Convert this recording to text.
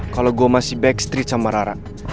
kalau gue masih backstreet sama rara